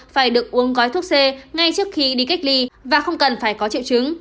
phải được uống gói thuốc c ngay trước khi đi cách ly và không cần phải có triệu chứng